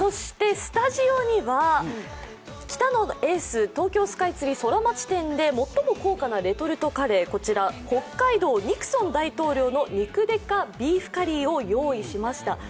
スタジオには北野エース東京スカイツリーソラマチ店で最も高価なレトルトカレー、北海道肉ソン大統領の肉デカビーフカリーを用意しました。